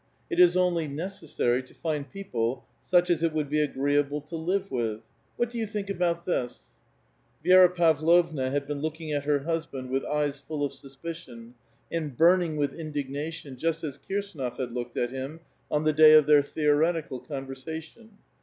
It is only necessary to find ^i:>«ople such as it would be agreeable to live with. What do ^"oo think about this ?" Vi^ra Pavlovna had been looking at her husband with eyes ^^^11 of suspicion, and burninjr with indisrnation just as Kir ^^^nof had looked at him on the dav of their theoretical con "V ^rsation.